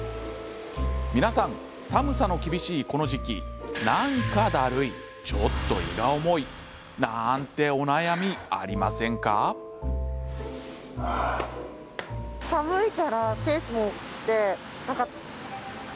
皆さん、寒さの厳しいこの時期なんかだるいちょっと胃が重いなんてお悩みありませんか？